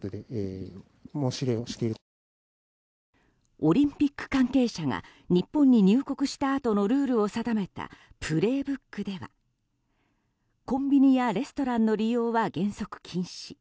オリンピック関係者が日本に入国したあとのルールを定めた「プレイブック」ではコンビニやレストランの利用は原則禁止。